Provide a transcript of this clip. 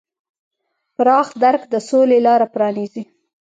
پراخ درک د سولې لاره پرانیزي.